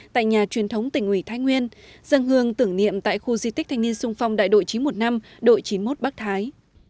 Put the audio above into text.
tại nhà truyền thống tỉnh ủy thái nguyên dân hương tưởng niệm tại khu di tích thanh niên sung phong đại đội chín trăm một mươi năm đội chín mươi một bắc thái